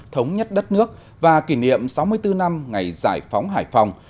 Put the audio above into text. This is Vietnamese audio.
thống nhất đất nước và kỷ niệm sáu mươi bốn năm ngày giải phóng hải phòng